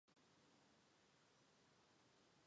它共有六种自然产生的同位素。